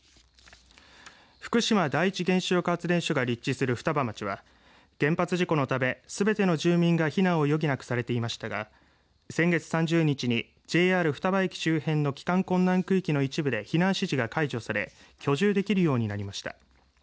福島第一原子力発電所が立地する双葉町は原発事故のためすべての住民が避難を余儀なくされていましたが先月３０日に、ＪＲ双葉駅周辺の帰還困難区域の一部で避難指示が解除され居住できるようになりました。